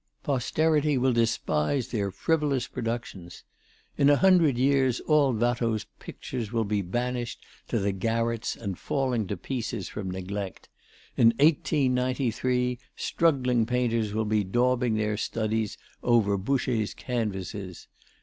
Posterity will despise their frivolous productions. In a hundred years all Watteau's pictures will be banished to the garrets and falling to pieces from neglect; in 1893 struggling painters will be daubing their studies over Boucher's canvases.